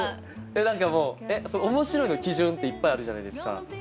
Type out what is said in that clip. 何かもう面白いの基準っていっぱいあるじゃないですか。